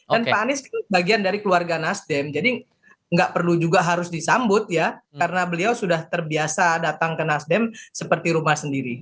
dan pak anies itu bagian dari keluarga nasdem jadi nggak perlu juga harus disambut ya karena beliau sudah terbiasa datang ke nasdem seperti rumah sendiri